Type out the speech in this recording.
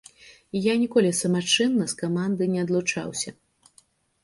Я ніколі самачынна з каманды не адлучаўся.